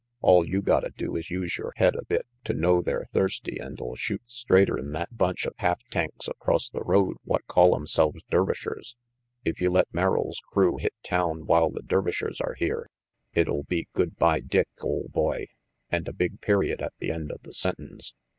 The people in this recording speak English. All you gotta do is use your head a bit to know they're thirsty and '11 shoot straighter'n that bunch of half tanks acrost the road what call 'emselves Dervishers. If you let Merrill's crew hit town while the Dervishers are here, it'll be good bye Dick ole boy and a big period at the end of the sentence.